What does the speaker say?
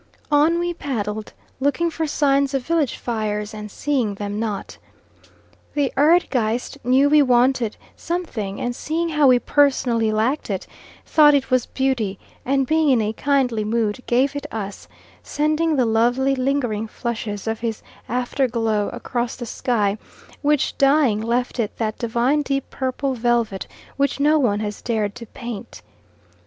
On we paddled, looking for signs of village fires, and seeing them not. The Erd geist knew we wanted something, and seeing how we personally lacked it, thought it was beauty; and being in a kindly mood, gave it us, sending the lovely lingering flushes of his afterglow across the sky, which, dying, left it that divine deep purple velvet which no one has dared to paint.